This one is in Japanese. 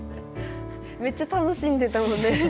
めっちゃ楽しんでたもんね。